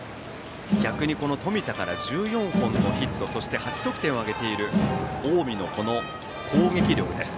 逆に冨田から１４本のヒットそして８得点を挙げている近江の攻撃力です。